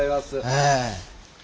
ええ。